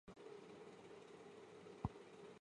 廖敏芳为软体业数位视讯领域中重要的专家之一。